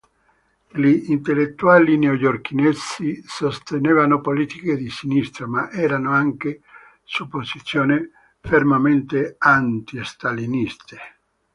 Gli intellettuali newyorchesi sostenevano politiche di sinistra, ma erano anche su posizioni fermamente anti-staliniste.